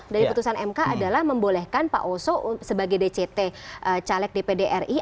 dari putusan mk adalah membolehkan pak oso sebagai dct caleg dpd ri